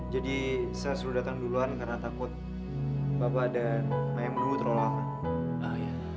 jadi saya suruh datang duluan karena takut bapak dan mayamu terlalu lama